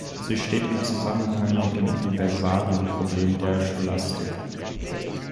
Sie steht im Zusammenhang mit dem Universalienproblem der Scholastik.